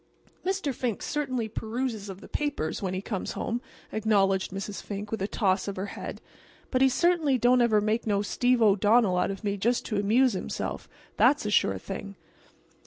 "Mr. Fink certainly peruses of the papers when he comes home," acknowledged Mrs. Fink, with a toss of her head; "but he certainly don't ever make no Steve O'Donnell out of me just to amuse himself—that's a sure thing."